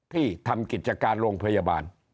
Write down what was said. ที่ทำกิจการโรงพยาบาล